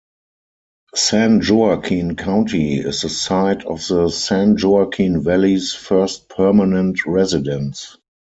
San Joaquin County is the site of the San Joaquin Valley's first permanent residence.